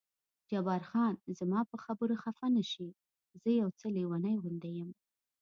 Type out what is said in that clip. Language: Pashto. جبار خان: زما په خبرو خفه نه شې، زه یو څه لېونی غوندې یم.